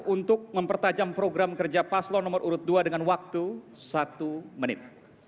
untuk mempertajam program kerja paslon nomor urut dua dengan waktu satu menit